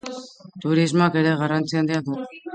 Turismoak ere garrantzi handia du.